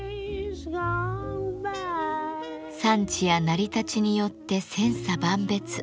産地や成り立ちによって千差万別。